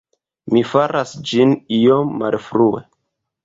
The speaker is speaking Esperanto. Mi faras ĝin iom malfrue.